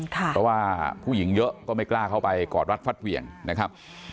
เพราะว่าผู้หญิงเยอะก็ไม่กล้าเข้าไปกอดรัดฟัดเหวี่ยงนะครับ